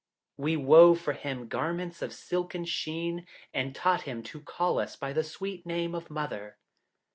We wove for him garments of silken sheen, and taught him to call us by the sweet name of 'Mother.'